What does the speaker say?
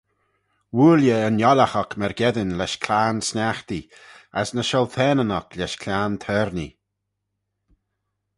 Woaill eh yn ollagh oc myrgeddin lesh claghyn-sniaghtee: as ny shioltaneyn oc lesh claghyn-taarnee.